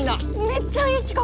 めっちゃいい企画！